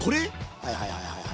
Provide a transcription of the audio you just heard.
はいはいはいはい。